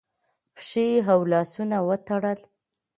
پښې او لاسونه وتړل